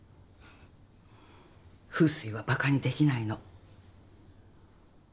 風水はばかにできないの。